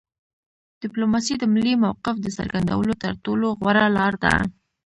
ډیپلوماسي د ملي موقف د څرګندولو تر ټولو غوره لار ده